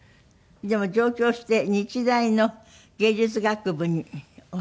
でも上京して日大の藝術学部にお入りになった。